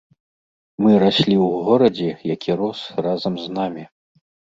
Мы раслі ў горадзе, які рос разам з намі.